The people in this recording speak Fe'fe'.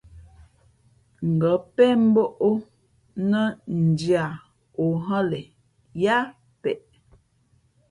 Ngα̌ pén mbᾱʼ ó nά ndhī ā ǒ hά le yáá peʼ.